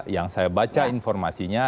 yang saya baca informasinya